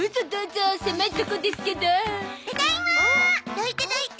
どいてどいて。